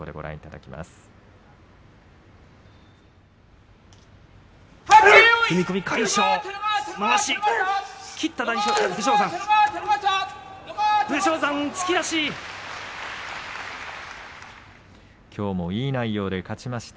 きょうもいい内容で勝ちました。